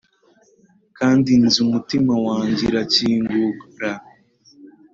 kandi nzi umutima wanjye: irakingura